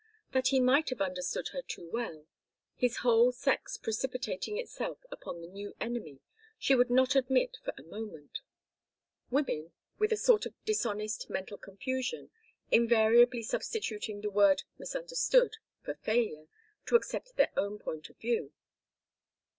That he might have understood her too well, his whole sex precipitating itself upon the new enemy, she would not admit for a moment; women, with a sort of dishonest mental confusion, invariably substituting the word misunderstood for failure to accept their own point of view.